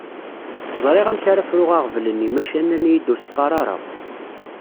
Ẓriɣ amek ara fruɣ aɣbel-nni maca nnan-iyi-d ur s-qqar ara.